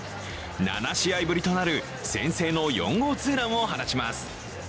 ７試合ぶりとなる先制の４号ツーランを放ちます。